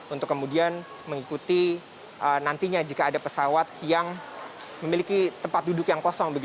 untuk kemudian mengikuti nantinya jika ada pesawat yang memiliki tempat duduk yang kosong